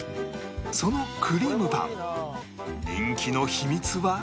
そのクリームパン人気の秘密は